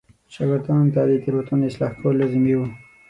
شاګردانو ته د تېروتنو اصلاح کول لازمي و.